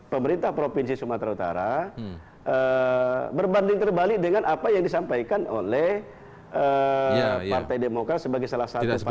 pemerintah provinsi sumatera utara berbanding terbalik dengan apa yang disampaikan oleh partai demokrat sebagai salah satu partai